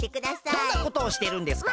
どんなことをしてるんですか？